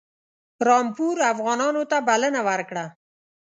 رامپور افغانانو ته بلنه ورکړه.